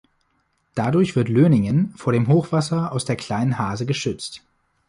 Dadurch wird Löningen vor dem Hochwasser aus der Kleinen Hase geschützt.